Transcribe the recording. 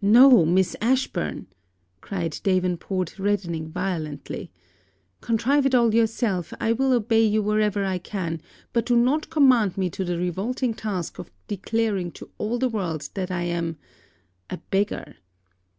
'No: Miss Ashburn!' cried Davenport, reddening violently. 'Contrive it all yourself; I will obey you wherever I can; but do not command me to the revolting task of declaring to all the world that I am a beggar.